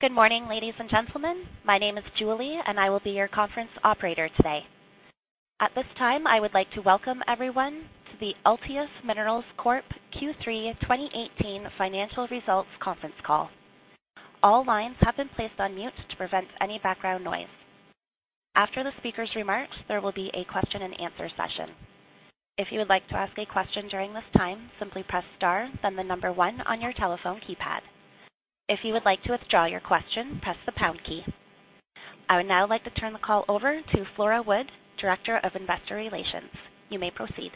Good morning, ladies and gentlemen. My name is Julie, and I will be your conference operator today. At this time, I would like to welcome everyone to the Altius Minerals Corp Q3 2018 financial results conference call. All lines have been placed on mute to prevent any background noise. After the speaker's remarks, there will be a question and answer session. If you would like to ask a question during this time, simply press star, then the number one on your telephone keypad. If you would like to withdraw your question, press the pound key. I would now like to turn the call over to Flora Wood, Director of Investor Relations. You may proceed.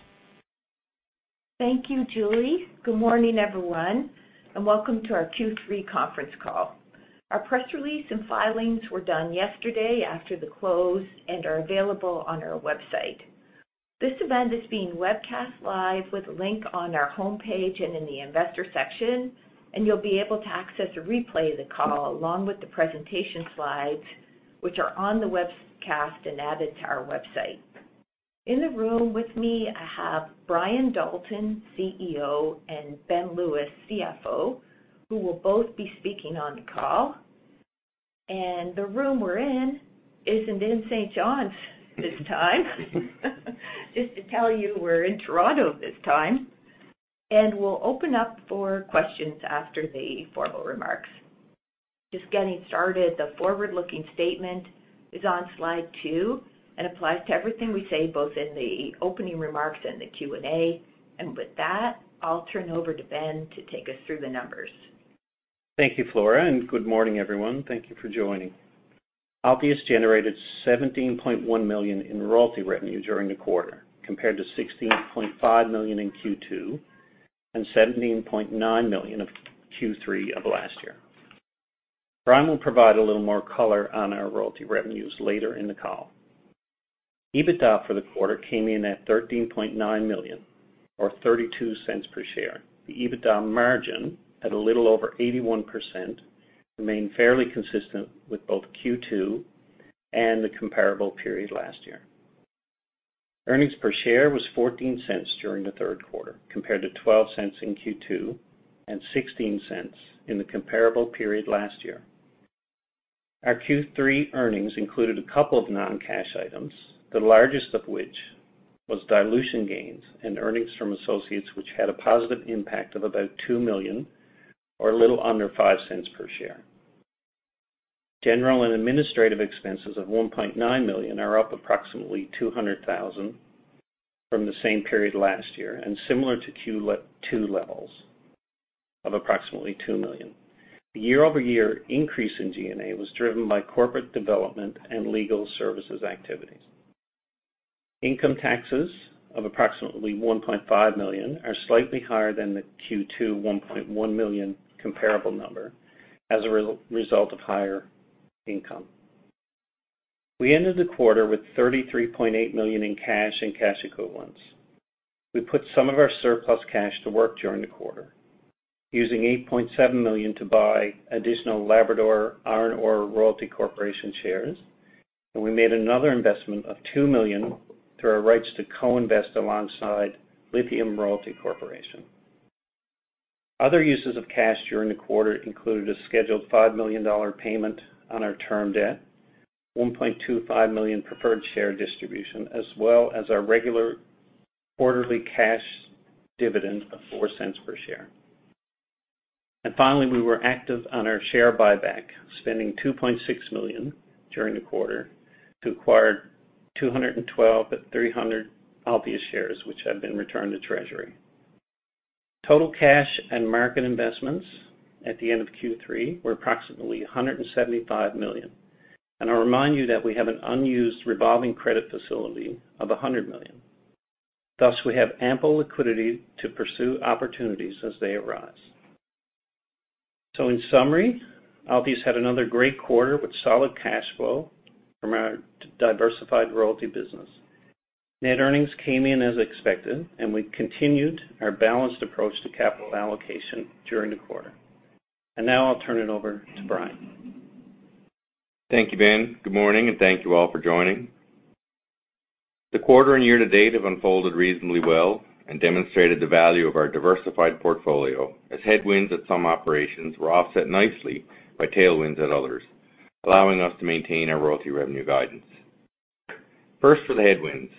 Thank you, Julie. Good morning, everyone, and welcome to our Q3 conference call. Our press release and filings were done yesterday after the close and are available on our website. This event is being webcast live with a link on our homepage and in the investor section, and you'll be able to access a replay of the call along with the presentation slides, which are on the webcast and added to our website. In the room with me, I have Brian Dalton, CEO, and Ben Lewis, CFO, who will both be speaking on the call. The room we're in isn't in St. John's this time. Just to tell you, we're in Toronto this time. We'll open up for questions after the formal remarks. Just getting started, the forward-looking statement is on slide two and applies to everything we say, both in the opening remarks and the Q&A. With that, I'll turn over to Ben to take us through the numbers. Thank you, Flora, and good morning, everyone. Thank you for joining. Altius generated 17.1 million in royalty revenue during the quarter, compared to 16.5 million in Q2 and 17.9 million of Q3 of last year. Brian will provide a little more color on our royalty revenues later in the call. EBITDA for the quarter came in at 13.9 million or 0.32 per share. The EBITDA margin at a little over 81% remained fairly consistent with both Q2 and the comparable period last year. Earnings per share was 0.14 during the third quarter, compared to 0.12 in Q2 and 0.16 in the comparable period last year. Our Q3 earnings included a couple of non-cash items, the largest of which was dilution gains and earnings from associates, which had a positive impact of about 2 million or a little under 0.05 per share. General and administrative expenses of 1.9 million are up approximately 200,000 from the same period last year, similar to Q2 levels of approximately 2 million. The year-over-year increase in G&A was driven by corporate development and legal services activities. Income taxes of approximately 1.5 million are slightly higher than the Q2 1.1 million comparable number as a result of higher income. We ended the quarter with 33.8 million in cash and cash equivalents. We put some of our surplus cash to work during the quarter, using 8.7 million to buy additional Labrador Iron Ore Royalty Corporation shares, and we made another investment of 2 million through our rights to co-invest alongside Lithium Royalty Corporation. Other uses of cash during the quarter included a scheduled 5 million dollar payment on our term debt, 1.25 million preferred share distribution, as well as our regular quarterly cash dividend of 0.04 per share. Finally, we were active on our share buyback, spending 2.6 million during the quarter to acquire 212,300 Altius shares, which have been returned to treasury. Total cash and market investments at the end of Q3 were approximately 175 million. I'll remind you that we have an unused revolving credit facility of 100 million. Thus, we have ample liquidity to pursue opportunities as they arise. In summary, Altius had another great quarter with solid cash flow from our diversified royalty business. Net earnings came in as expected, we continued our balanced approach to capital allocation during the quarter. Now I'll turn it over to Brian. Thank you, Ben. Good morning, thank you all for joining. The quarter and year-to-date have unfolded reasonably well and demonstrated the value of our diversified portfolio as headwinds at some operations were offset nicely by tailwinds at others, allowing us to maintain our royalty revenue guidance. First for the headwinds.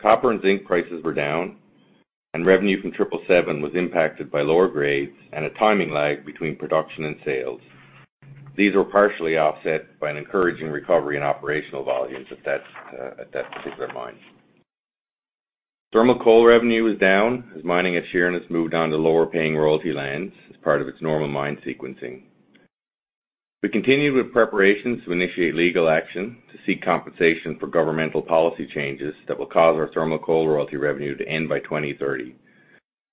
Copper and zinc prices were down, revenue from triple seven was impacted by lower grades and a timing lag between production and sales. These were partially offset by an encouraging recovery in operational volumes at that particular mine. Thermal coal revenue was down as mining at Sheerness has moved on to lower-paying royalty lands as part of its normal mine sequencing. We continued with preparations to initiate legal action to seek compensation for governmental policy changes that will cause our thermal coal royalty revenue to end by 2030,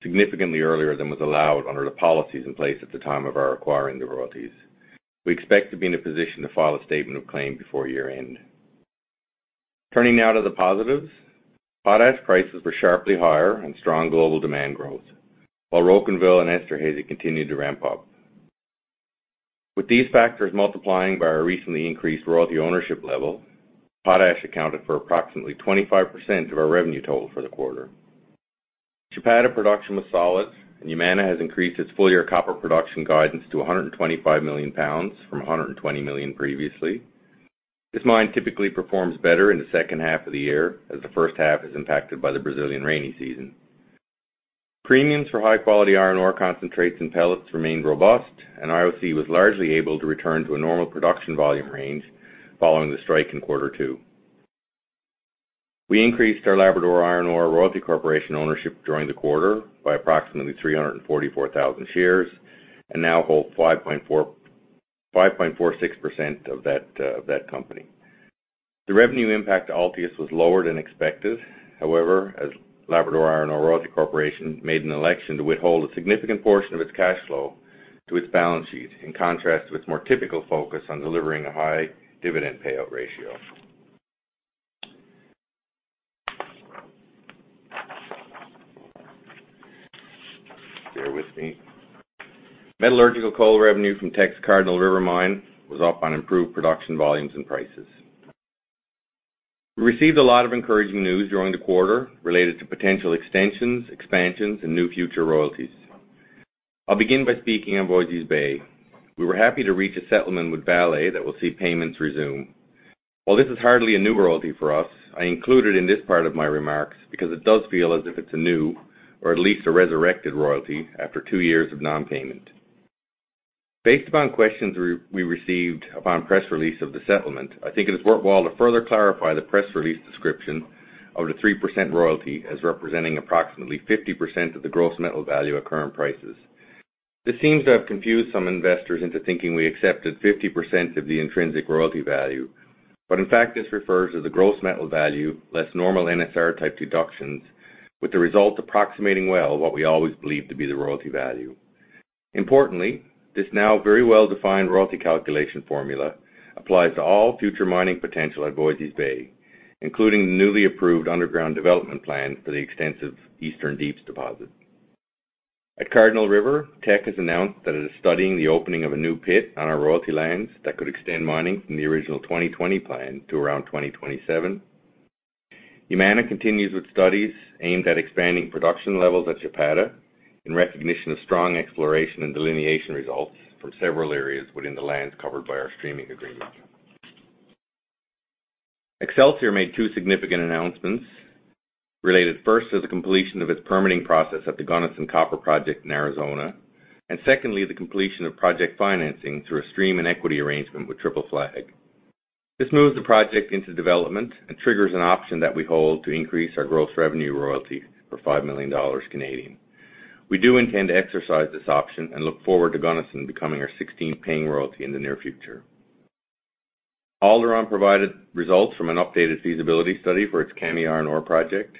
significantly earlier than was allowed under the policies in place at the time of our acquiring the royalties. We expect to be in a position to file a statement of claim before year-end. Turning now to the positives. Potash prices were sharply higher on strong global demand growth, while Rocanville and Esterhazy continued to ramp up. With these factors multiplying by our recently increased royalty ownership level, potash accounted for approximately 25% of our revenue total for the quarter. Chapada production was solid, Yamana has increased its full-year copper production guidance to 125 million lbs from 120 million previously. This mine typically performs better in the second half of the year, as the first half is impacted by the Brazilian rainy season. Premiums for high-quality iron ore concentrates and pellets remained robust. IOC was largely able to return to a normal production volume range following the strike in Q2. We increased our Labrador Iron Ore Royalty Corporation ownership during the quarter by approximately 344,000 shares and now hold 5.46% of that company. The revenue impact to Altius was lower than expected, however, as Labrador Iron Ore Royalty Corporation made an election to withhold a significant portion of its cash flow to its balance sheet, in contrast to its more typical focus on delivering a high dividend payout ratio. Bear with me. Metallurgical coal revenue from Teck's Cardinal River Mine was up on improved production volumes and prices. We received a lot of encouraging news during the quarter related to potential extensions, expansions, and new future royalties. I'll begin by speaking on Voisey's Bay. We were happy to reach a settlement with Vale that will see payments resume. While this is hardly a new royalty for us, I include it in this part of my remarks because it does feel as if it's a new or at least a resurrected royalty after two years of non-payment. Based upon questions we received upon press release of the settlement, I think it is worthwhile to further clarify the press release description of the 3% royalty as representing approximately 50% of the gross metal value at current prices. This seems to have confused some investors into thinking we accepted 50% of the intrinsic royalty value, but in fact, this refers to the gross metal value less normal NSR-type deductions, with the result approximating well what we always believed to be the royalty value. Importantly, this now very well-defined royalty calculation formula applies to all future mining potential at Voisey's Bay, including the newly approved underground development plans for the extensive Eastern Deeps deposit. At Cardinal River, Teck has announced that it is studying the opening of a new pit on our royalty lands that could extend mining from the original 2020 plan to around 2027. Yamana continues with studies aimed at expanding production levels at Chapada in recognition of strong exploration and delineation results from several areas within the lands covered by our streaming agreement. Excelsior made two significant announcements related first to the completion of its permitting process at the Gunnison Copper Project in Arizona, and secondly, the completion of project financing through a stream and equity arrangement with Triple Flag. This moves the project into development and triggers an option that we hold to increase our gross revenue royalty for 5 million Canadian dollars. We do intend to exercise this option and look forward to Gunnison becoming our 16th paying royalty in the near future. Alderon provided results from an updated feasibility study for its Kami Iron Ore Project.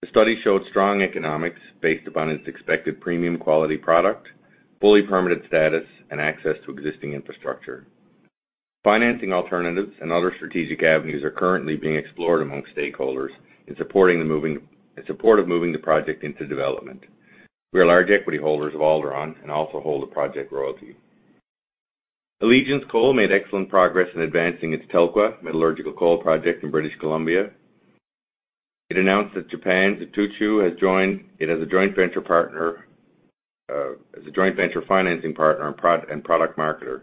The study showed strong economics based upon its expected premium quality product, fully permitted status, and access to existing infrastructure. Financing alternatives and other strategic avenues are currently being explored among stakeholders in support of moving the project into development. We are large equity holders of Alderon and also hold a project royalty. Allegiance Coal made excellent progress in advancing its Telkwa Metallurgical Coal Project in British Columbia. It announced that Japan's Itochu has joined it as a joint venture financing partner and product marketer.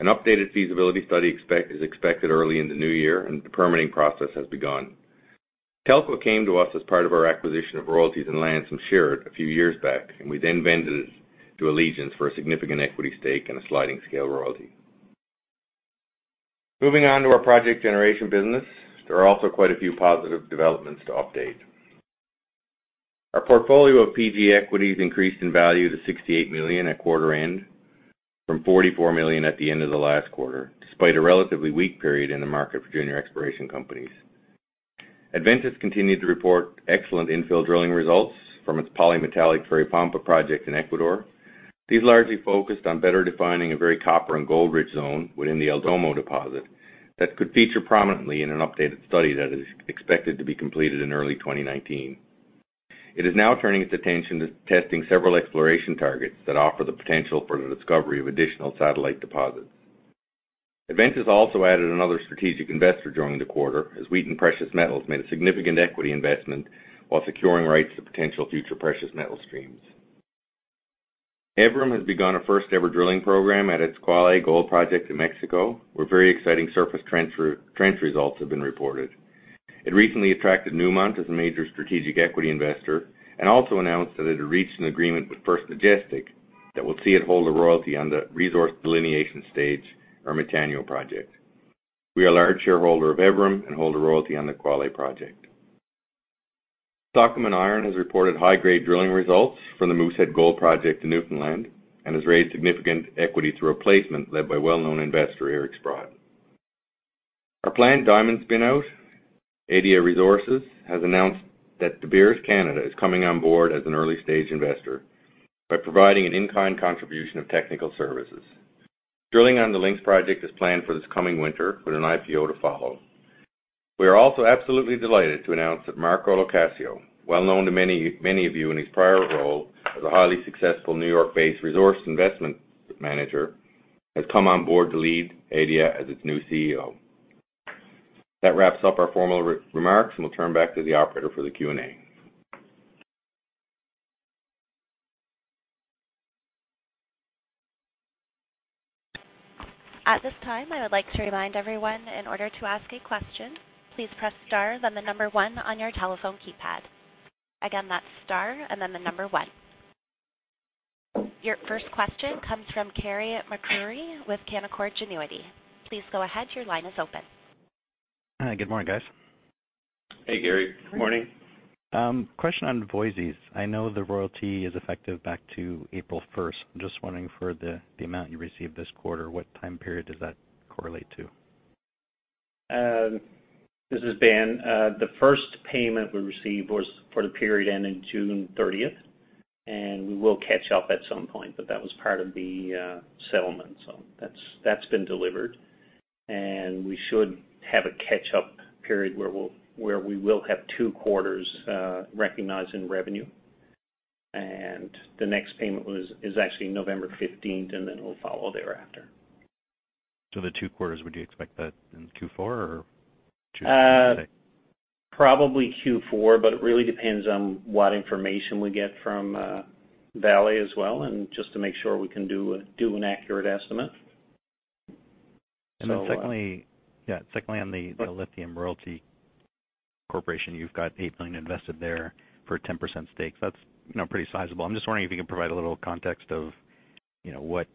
An updated feasibility study is expected early in the new year. The permitting process has begun. Telkwa came to us as part of our acquisition of royalties and lands from Sherritt a few years back. We then vended it to Allegiance for a significant equity stake and a sliding scale royalty. Moving on to our project generation business, there are also quite a few positive developments to update. Our portfolio of PG equities increased in value to 68 million at quarter end from 44 million at the end of the last quarter, despite a relatively weak period in the market for junior exploration companies. Adventus continued to report excellent infill drilling results from its polymetallic Curipamba project in Ecuador. These largely focused on better defining a very copper and gold rich zone within the El Domo deposit that could feature prominently in an updated study that is expected to be completed in early 2019. It is now turning its attention to testing several exploration targets that offer the potential for the discovery of additional satellite deposits. Adventus also added another strategic investor during the quarter as Wheaton Precious Metals made a significant equity investment while securing rights to potential future precious metal streams. Evrim has begun a first-ever drilling program at its Cuale Gold Project in Mexico, where very exciting surface trench results have been reported. It recently attracted Newmont as a major strategic equity investor and also announced that it had reached an agreement with First Majestic that will see it hold a royalty on the resource delineation stage Ermitaño project. We are a large shareholder of Evrim and hold a royalty on the Cuale project. Sokoman has reported high-grade drilling results from the Moosehead Gold Project in Newfoundland and has raised significant equity through a placement led by well-known investor Eric Sprott. Our planned diamond spinout, Adia Resources, has announced that De Beers Canada is coming on board as an early-stage investor by providing an in-kind contribution of technical services. Drilling on the Lynx Project is planned for this coming winter with an IPO to follow. We are also absolutely delighted to announce that Marco LoCascio, well known to many of you in his prior role as a highly successful New York-based resource investment manager, has come on board to lead Adia as its new CEO. That wraps up our formal remarks. We'll turn back to the operator for the Q&A. At this time, I would like to remind everyone, in order to ask a question, please press star then the number one on your telephone keypad. Again, that's star and then the number one. Your first question comes from Carey MacRury with Canaccord Genuity. Please go ahead, your line is open. Good morning, guys. Hey, Carey. Good morning. Question on Voisey's. I know the royalty is effective back to April 1st. I'm just wondering for the amount you received this quarter, what time period does that correlate to? This is Ben. The first payment we received was for the period ending June 30th. We will catch up at some point. That was part of the settlement. That's been delivered. We should have a catch-up period where we will have two quarters recognized in revenue. The next payment is actually November 15th. It will follow thereafter. The two quarters, would you expect that in Q4 or Q3? Probably Q4. It really depends on what information we get from Vale as well, and just to make sure we can do an accurate estimate. Secondly, on the Lithium Royalty Corporation, you've got 8 million invested there for a 10% stake. That's pretty sizable. I'm just wondering if you could provide a little context of what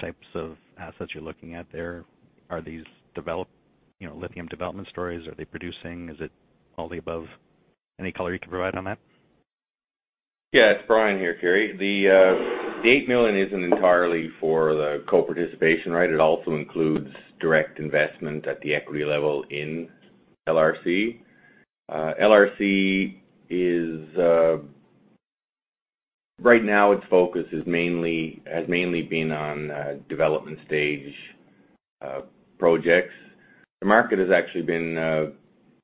types of assets you're looking at there. Are these developed, lithium development stories? Are they producing? Is it all the above? Any color you can provide on that? Yeah. It's Brian here, Carey. The 8 million isn't entirely for the co-participation, right? It also includes direct investment at the equity level in LRC. LRC, right now its focus has mainly been on development stage projects. The market has actually been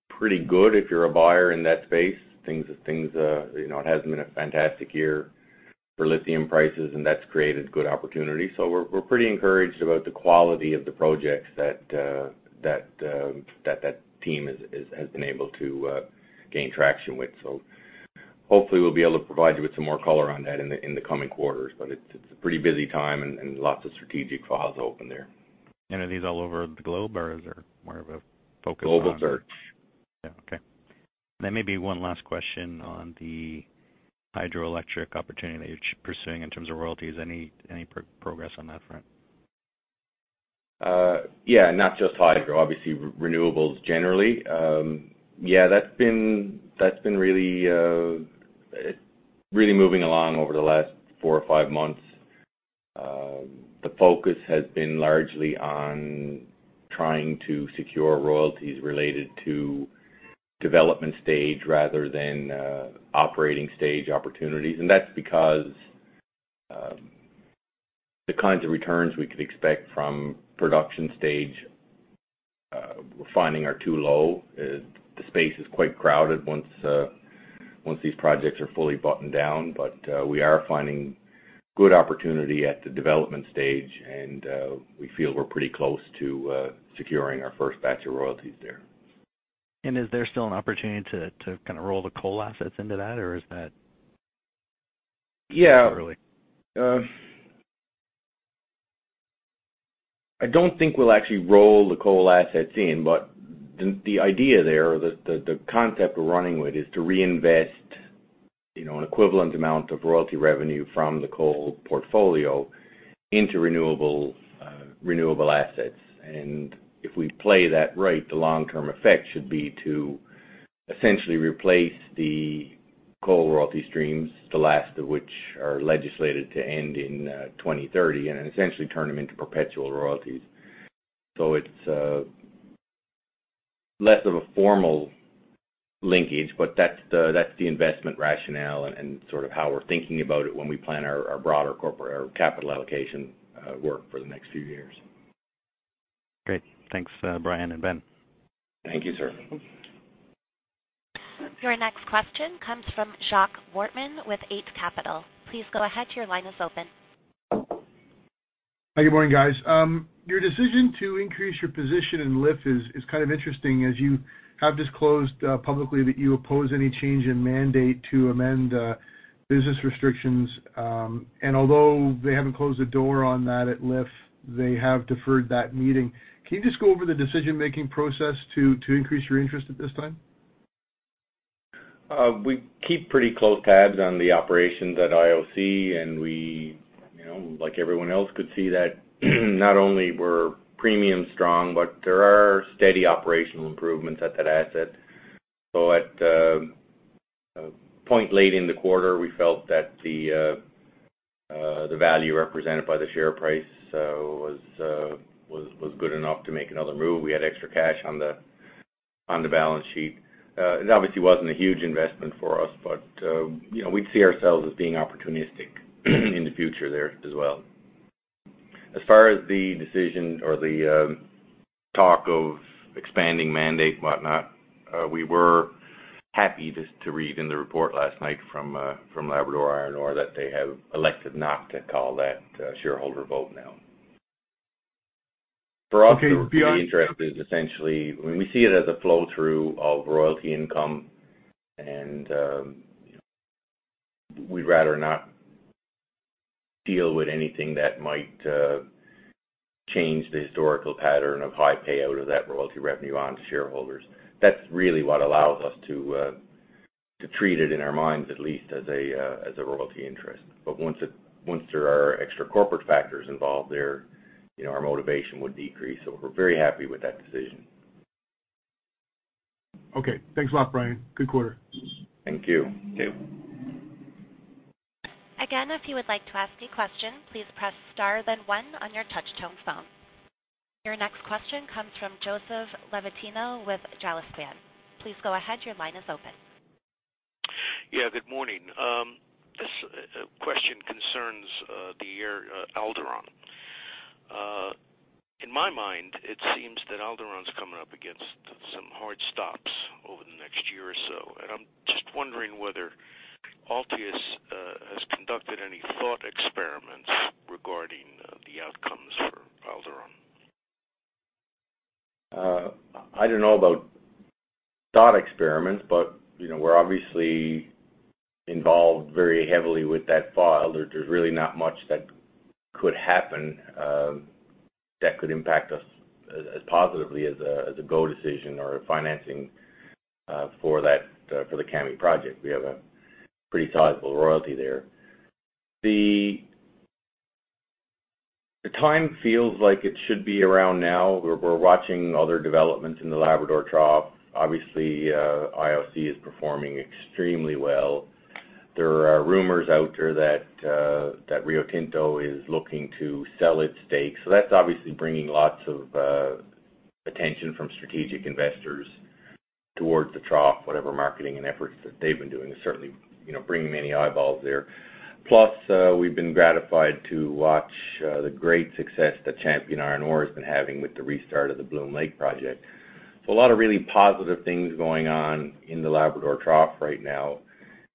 pretty good if you're a buyer in that space. It hasn't been a fantastic year for lithium prices, and that's created good opportunities. We're pretty encouraged about the quality of the projects that that team has been able to gain traction with. Hopefully we'll be able to provide you with some more color on that in the coming quarters. It's a pretty busy time and lots of strategic files open there. Are these all over the globe or is there more of a focus on- Global search. Yeah. Okay. Maybe one last question on the hydroelectric opportunity that you're pursuing in terms of royalties. Any progress on that front? Yeah. Not just hydro, obviously, renewables generally. Yeah, that's been really moving along over the last four or five months. The focus has been largely on trying to secure royalties related to development stage rather than operating stage opportunities. That's because the kinds of returns we could expect from production stage we're finding are too low. The space is quite crowded once these projects are fully buttoned down. We are finding good opportunity at the development stage, and we feel we're pretty close to securing our first batch of royalties there. Is there still an opportunity to kind of roll the coal assets into that or is that? Yeah Not really? I don't think we'll actually roll the coal assets in. The idea there, the concept we're running with is to reinvest an equivalent amount of royalty revenue from the coal portfolio into renewable assets. If we play that right, the long-term effect should be to essentially replace the coal royalty streams, the last of which are legislated to end in 2030, then essentially turn them into perpetual royalties. It's less of a formal linkage, that's the investment rationale and sort of how we're thinking about it when we plan our broader capital allocation work for the next few years. Great. Thanks, Brian and Ben. Thank you, sir. Your next question comes from Jacques Wortman with Eight Capital. Please go ahead, your line is open. Good morning, guys. Your decision to increase your position in LIF is kind of interesting, as you have disclosed publicly that you oppose any change in mandate to amend business restrictions. Although they haven't closed the door on that at LIF, they have deferred that meeting. Can you just go over the decision-making process to increase your interest at this time? We keep pretty close tabs on the operations at IOC, and we, like everyone else, could see that not only we're premium strong, but there are steady operational improvements at that asset. At a point late in the quarter, we felt that the value represented by the share price was good enough to make another move. We had extra cash on the balance sheet. It obviously wasn't a huge investment for us, but we'd see ourselves as being opportunistic in the future there as well. As far as the decision or the talk of expanding mandate, whatnot, we were happy just to read in the report last night from Labrador Iron Ore that they have elected not to call that shareholder vote now. For us, the royalty interest is essentially, we see it as a flow-through of royalty income, and we'd rather not deal with anything that might change the historical pattern of high payout of that royalty revenue on to shareholders. That's really what allows us to treat it, in our minds at least, as a royalty interest. Once there are extra corporate factors involved there, our motivation would decrease. We're very happy with that decision. Okay. Thanks a lot, Brian. Good quarter. Thank you. Thank you. Again, if you would like to ask a question, please press star then one on your touchtone phone. Your next question comes from Joseph Levatino with Jalaspen. Please go ahead. Your line is open. Yeah, good morning. This question concerns the Alderon. In my mind, it seems that Alderon's coming up against some hard stops over the next year or so, and I'm just wondering whether Altius has conducted any thought experiments regarding the outcomes for Alderon. I don't know about thought experiments, but we're obviously involved very heavily with that file. There's really not much that could happen that could impact us as positively as a go decision or a financing for the Kami project. We have a pretty sizable royalty there. The time feels like it should be around now. We're watching other developments in the Labrador Trough. Obviously, IOC is performing extremely well. There are rumors out there that Rio Tinto is looking to sell its stake. That's obviously bringing lots of attention from strategic investors towards the Trough, whatever marketing and efforts that they've been doing is certainly bringing many eyeballs there. Plus, we've been gratified to watch the great success that Champion Iron Ore, has been having with the restart of the Bloom Lake project. A lot of really positive things going on in the Labrador Trough right now,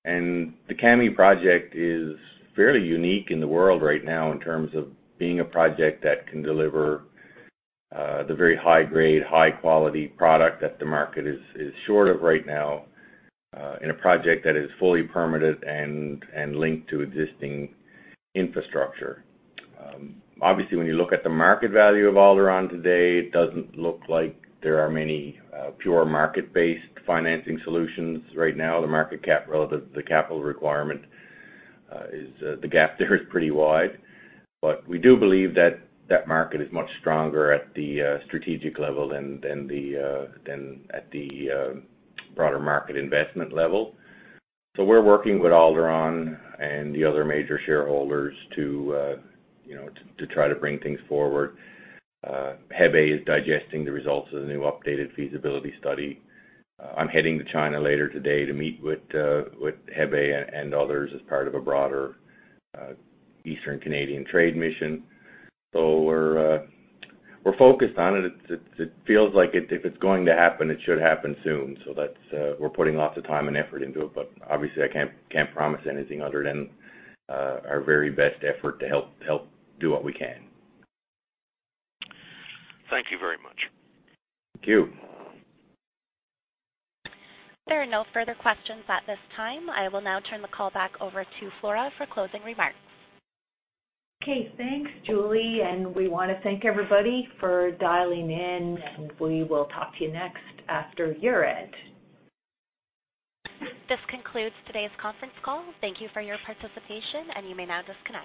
and the Kami project is fairly unique in the world right now in terms of being a project that can deliver the very high grade, high quality product that the market is short of right now, in a project that is fully permitted and linked to existing infrastructure. Obviously, when you look at the market value of Alderon today, it doesn't look like there are many pure market-based financing solutions right now. The market cap relative to the capital requirement, the gap there is pretty wide. We do believe that that market is much stronger at the strategic level than at the broader market investment level. We're working with Alderon and the other major shareholders to try to bring things forward. Hebei is digesting the results of the new updated feasibility study. I'm heading to China later today to meet with Hebei and others as part of a broader Eastern Canadian trade mission. We're focused on it. It feels like if it's going to happen, it should happen soon. We're putting lots of time and effort into it. Obviously, I can't promise anything other than our very best effort to help do what we can. Thank you very much. Thank you. There are no further questions at this time. I will now turn the call back over to Flora for closing remarks. Okay, thanks, Julie, and we want to thank everybody for dialing in, and we will talk to you next after year-end. This concludes today's conference call. Thank you for your participation. You may now disconnect.